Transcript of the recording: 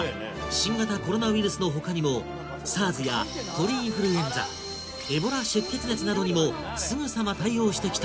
新型コロナウイルスのほかにもＳＡＲＳや鳥インフルエンザエボラ出血熱などにもすぐさま対応してきた